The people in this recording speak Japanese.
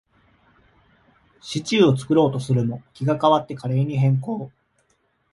シチューを作ろうとするも、気が変わってカレーに変更